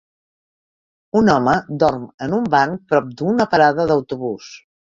Un home dorm en un banc prop d'una parada d'autobús.